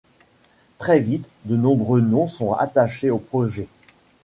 Très vite, de nombreux noms sont attachés au projet.